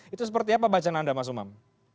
itu seperti apa bacaan anda mas umam